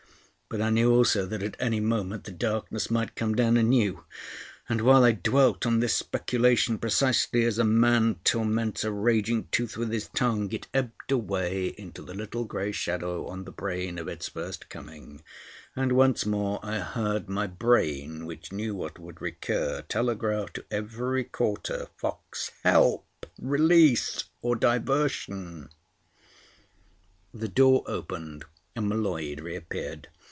But I knew also that at any moment the darkness might come down anew; and while, I dwelt on this speculation precisely as a man torments a raging tooth with his tongue, it ebbed away into the little grey shadow on the brain of its first coming, and once more I heard my brain, which knew what would recur, telegraph to every quarter for help, release or diversion. The door opened, and M'Leod reappeared.